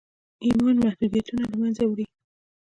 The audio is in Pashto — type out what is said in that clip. ايمان محدوديتونه له منځه وړي.